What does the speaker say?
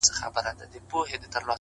o خو اوس دي گراني دا درسونه سخت كړل؛